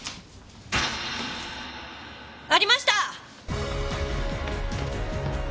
ありました！